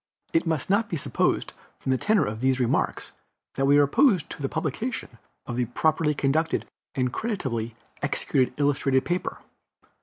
It must not be supposed from the tenor of these remarks that we are opposed to the publication of a properly conducted and creditably executed illustrated paper.